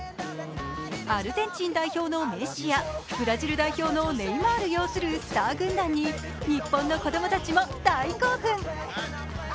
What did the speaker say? アルゼンチン代表のメッシやブラジル代表のネイマール擁するスター軍団に日本の子供たちも大興奮。